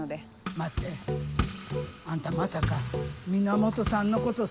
待ってあんたまさか源さんのことす。